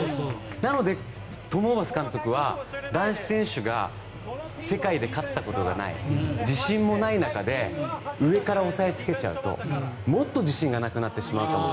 なのでトム・ホーバス監督は男子選手が世界で勝ったことがない自信もない中で上から押さえつけちゃうともっと自信がなくなってしまうと。